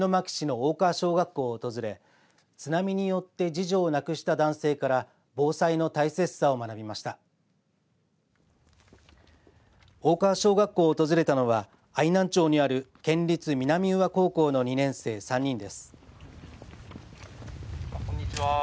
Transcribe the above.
大川小学校を訪れたのは愛南町にある県立南宇和高校の２年生３人です。